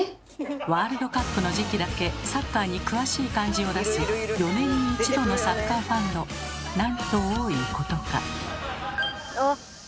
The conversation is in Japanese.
ワールドカップの時期だけサッカーに詳しい感じを出す４年に１度のサッカーファンのなんと多いことか。